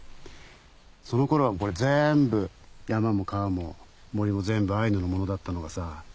その頃はこれ全部山も川も森も全部アイヌのものだったのがさ